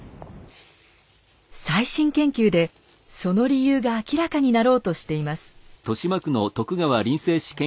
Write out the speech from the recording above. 最新研究でその理由が明らかになろうとしています。